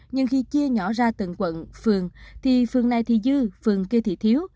nhưng khi chia nhỏ ra từng quận phường thì phường này thì dư phường kia thị thiếu